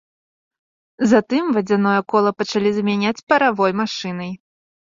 Затым вадзяное кола пачалі замяняць паравой машынай.